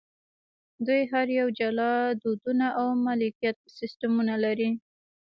دوی هر یو جلا دودونه او مالکیت سیستمونه لري.